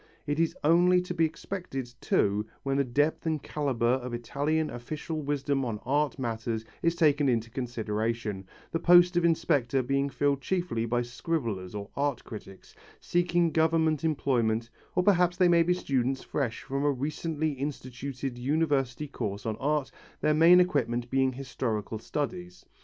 It is only to be expected, too, when the depth and calibre of Italian official wisdom on art matters is taken into consideration, the post of inspector being filled chiefly by scribblers or art critics, seeking Government employment; or perhaps they may be students fresh from a recently instituted university course on art, their main equipment being historical studies.